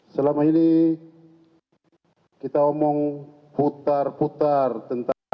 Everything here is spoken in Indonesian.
selama ini kita omong putar putar tentang